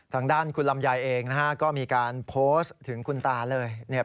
ทางด้านคุณลำไยเองก็มีการโพสต์ถึงคุณตาเลย